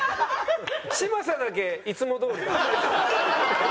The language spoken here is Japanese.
嶋佐だけいつもどおり。